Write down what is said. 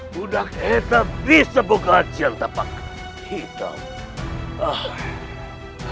budak aja bisa bongkak ajihan tapak hitam